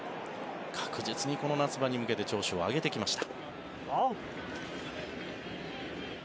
確実にこの夏場に向けて調子を上げてきました。